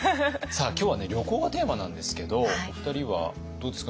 今日は旅行がテーマなんですけどお二人はどうですか？